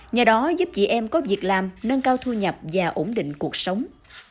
nhờ đó giúp chị em có việc làm nâng cao thu nhập và ổn định cuộc sống